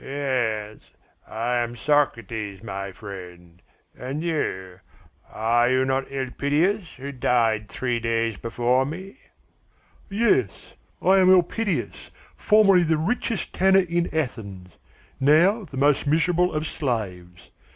"Yes, I am Socrates, my friend, and you, are you not Elpidias who died three days before me?" "Yes, I am Elpidias, formerly the richest tanner in Athens, now the most miserable of slaves.